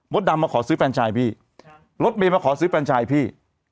ดำมาขอซื้อแฟนชายพี่รถเมย์มาขอซื้อแฟนชายพี่